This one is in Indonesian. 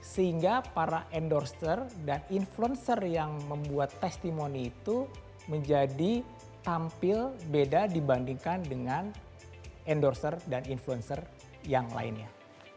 sehingga para endorser dan influencer yang membuat testimoni itu menjadi tampil beda dibandingkan dengan endorser dan influencer yang lainnya